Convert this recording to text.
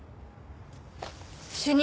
主任！